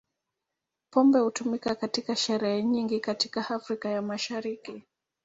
Pombe hutumika katika sherehe nyingi katika Afrika ya Mashariki.